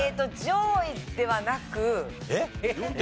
上位ではなく？